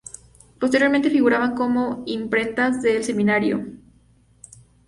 Posteriormente figuraban como imprentas del semanario Imp.